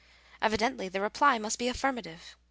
Evidently the reply must be affirmative.